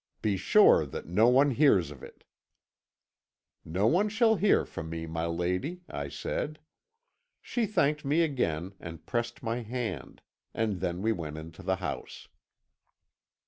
Be sure that no one hears of it.' 'No one shall from me, my lady,' I said. She thanked me again, and pressed my hand, and then we went into the house.